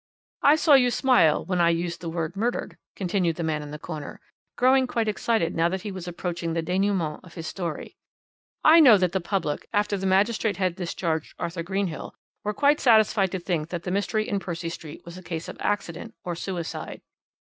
"I saw you smile when I used the word 'murdered,'" continued the man in the corner, growing quite excited now that he was approaching the dénouement of his story. "I know that the public, after the magistrate had discharged Arthur Greenhill, were quite satisfied to think that the mystery in Percy Street was a case of accident or suicide."